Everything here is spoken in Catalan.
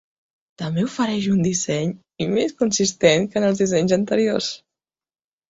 També ofereix un disseny i més consistent que en els dissenys anteriors.